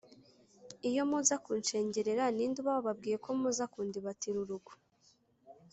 iyo muza kunshengerera, ni nde uba wababwiye ko muza kundibatira urugo?”